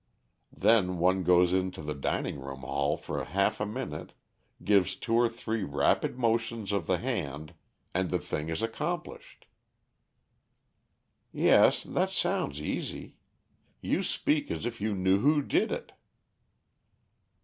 Then one goes into the dining hall for half a minute, gives two or three rapid motions of the hand, and the thing is accomplished." "Yes, that sounds easy. You speak as if you knew who did it."